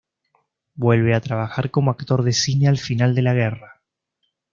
Vuelve a trabajar como actor de cine al final de la guerra.